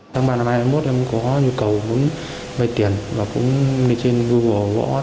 tháng ba năm hai nghìn hai mươi một em có nhu cầu muốn vay tiền và cũng đi trên google gõ